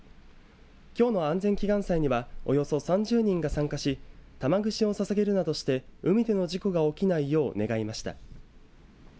きょうの安全祈願祭にはおよそ３０人が参加し玉串をささげるなどして海での事故が起きないよう願いました。